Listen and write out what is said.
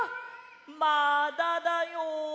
まだだよ！